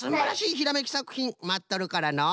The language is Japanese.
ひらめきさくひんまっとるからの！